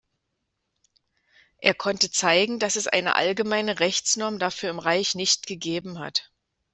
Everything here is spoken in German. Er konnte zeigen, dass es eine allgemeine Rechtsnorm dafür im Reich nicht gegeben hat.